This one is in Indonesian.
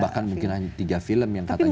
bahkan mungkin hanya tiga film yang katanya